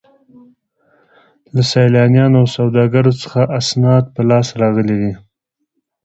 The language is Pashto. له سیلانیانو او سوداګرو څخه اسناد په لاس راغلي دي.